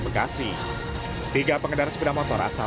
bekasi tiga pengendara sepeda motor asal